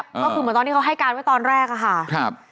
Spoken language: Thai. ก็คือเหมือนตอนที่เขาให้การไว้ตอนแรกอะค่ะ